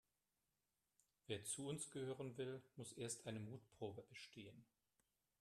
Wer zu uns gehören will, muss erst eine Mutprobe bestehen.